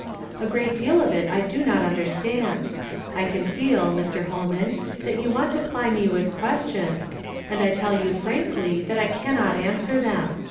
A great deal of it I do not understand. I can feel, Mr. Holman, that you want to ply me with questions, and I tell you frankly that I cannot answer them.